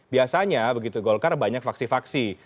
biasanya begitu golkar banyak faksi faksi